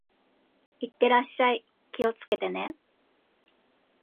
行ってらっしゃい。気をつけてね。